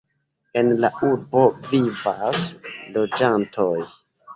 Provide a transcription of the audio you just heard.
En la urbo vivas loĝantoj.